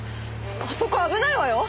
あそこ危ないわよ。